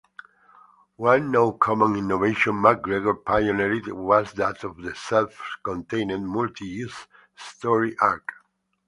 One now-common innovation McGregor pioneered was that of the self-contained, multi-issue story arc.